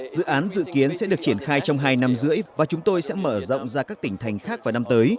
dự án dự kiến sẽ được triển khai trong hai năm rưỡi và chúng tôi sẽ mở rộng ra các tỉnh thành khác vào năm tới